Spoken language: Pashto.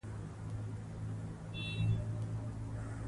نمک د افغانانو د فرهنګي پیژندنې برخه ده.